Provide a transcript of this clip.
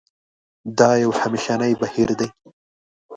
دا یو همېشنی بهیر دی.